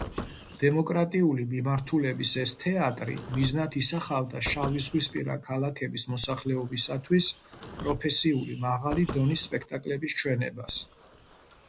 დემოკრატიული მიმართულების ეს თეატრი მიზნად ისახავდა შავიზღვისპირა ქალაქების მოსახლეობისათვის პროფესიული, მაღალი დონის სპექტაკლების ჩვენებას.